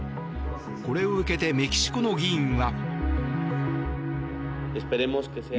これを受けてメキシコの議員は。